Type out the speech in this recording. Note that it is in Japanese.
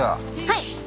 はい！